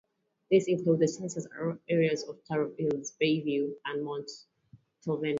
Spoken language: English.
These include the census areas of Tara Hills, Bayview, and Montalvin.